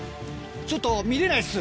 ちょっと見れないっす！